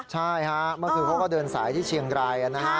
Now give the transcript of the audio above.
ใช่ฮะเมื่อคืนเขาก็เดินสายที่เชียงรายนะฮะ